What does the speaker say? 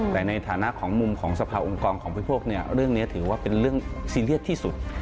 แต่ในฐานะของมุมของสภาองค์กรของบริโภคเนี่ยเรื่องนี้ถือว่าเป็นเรื่องซีเรียสที่สุด